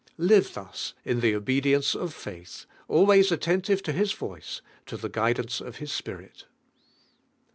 Live lims in the obedience of faith, always atten tive to His voice, and the guidance of His Spirit.